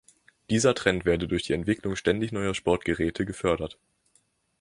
Dieser Trend werde durch die Entwicklung ständig neuer Sportgeräte gefördert.